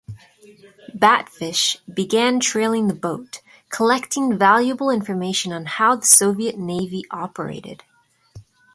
"Batfish" began trailing the boat, collecting valuable information on how the Soviet Navy operated.